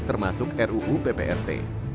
termasuk ruu pprt